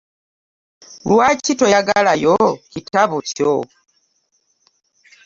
Lwaki toyagalayo kitabo kyo?